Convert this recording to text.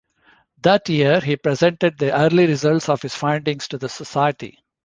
That year he presented the early results of his findings to the society.